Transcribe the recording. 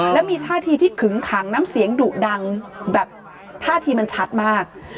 แล้วมีท่าทีที่ขึงขังน้ำเสียงดุดังแบบท่าทีมันชัดมาก